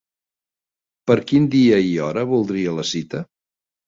Per quin dia i hora voldria la cita?